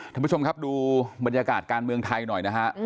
ท่านผู้ชมครับดูบรรยากาศการเมืองไทยหน่อยนะฮะ